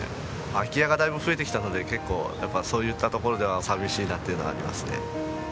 空き家がだいぶ増えてきたので結構そういったところでは寂しいなっていうのはありますね。